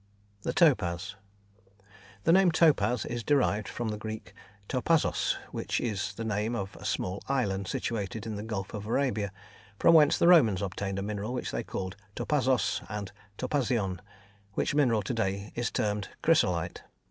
The Topaz. The name topaz is derived from the Greek topazos, which is the name of a small island situated in the Gulf of Arabia, from whence the Romans obtained a mineral which they called topazos and topazion, which mineral to day is termed chrysolite.